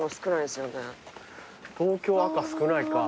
東京赤少ないか。